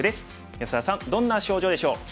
安田さんどんな症状でしょう？